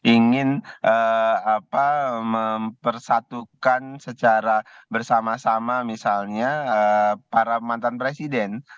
ingin mempersatukan secara bersama sama misalnya para mantan presiden